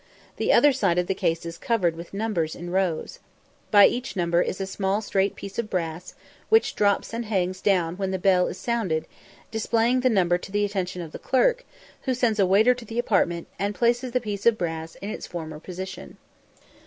The other side of the case is covered with numbers in rows. By each number is a small straight piece of brass, which drops and hangs down when the bell is sounded, displaying the number to the attention of the clerk, who sends a waiter to the apartment, and places the piece of brass in its former position.